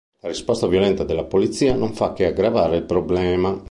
La risposta violenta della polizia non fa che aggravare il problema.